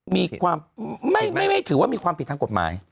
มีความไม่ถือว่ามีความผิดทางกฎหมาย